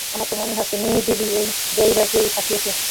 আমার তো মনে হচ্ছে মিমি দিদি, এই ড্রাইভারকে ফাঁসিয়েছে।